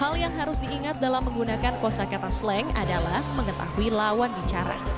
hal yang harus diingat dalam menggunakan kosa kata slang adalah mengetahui lawan bicara